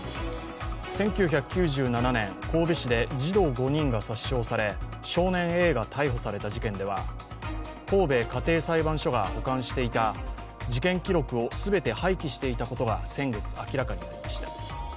１９９７年神戸市で児童５人が殺傷され少年Ａが逮捕された事件では神戸家庭裁判所が保管していた事件記録を全て廃棄していたことが先月、明らかになりました。